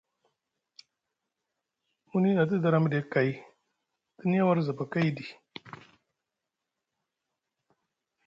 Muni na te dara miɗe kay te niya war zaba kay ɗi.